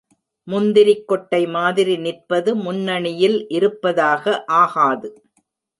முந்திரிக்கொட்டை மாதிரி நிற்பது முன்னணியில் இருப்பதாக ஆகாது.